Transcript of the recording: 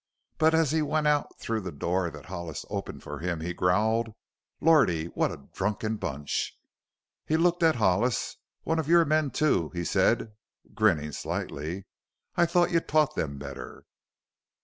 But as he went out through the door that Hollis opened for him he growled: "Lordy, what a drunken bunch!" He looked at Hollis. "One of your men, too," he said, grinning slightly. "I thought you taught them better!"